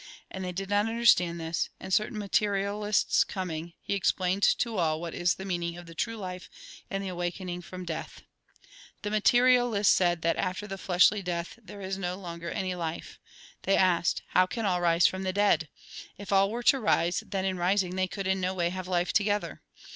'' And they did not understand this, and certain materialists coming, he explained to all what is the meaning of the true life and the awakening from death. The materialists said that after the fleshly death THE GOSPEL IN BRIEF there is no longer any life. They asked: "How can all rise from the dead ? If all were to rise, then in rising they could in no way have life together.